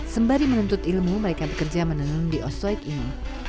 sembari menuntut ilmu mereka bekerja menenun di osoid ini